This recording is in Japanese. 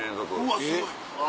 うわすごい。